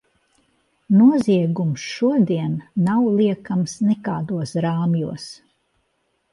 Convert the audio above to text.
Noziegums šodien nav liekams nekādos rāmjos.